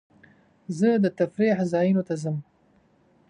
زه د تفریح ځایونو ته ځم.